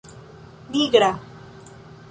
nigra